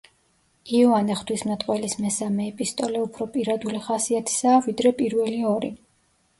იოანე ღვთისმეტყველის მესამე ეპისტოლე უფრო პირადული ხასიათისაა, ვიდრე პირველი ორი.